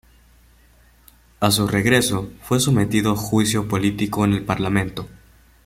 A su regreso, fue sometido a juicio político en el Parlamento.